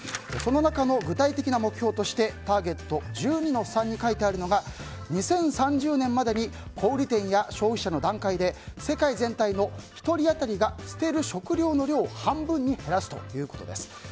その中の具体的な目標としてターゲット１２−３に書いてあるのが２０３０年までに小売店や消費者の段階で世界全体の１人当たりが捨てる食料の量を半分に減らすということです。